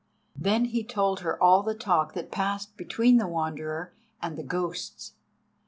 Then he told her all the talk that passed between the Wanderer and the ghosts.